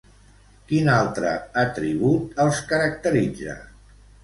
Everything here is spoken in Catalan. Quin altre atribut els caracteritza?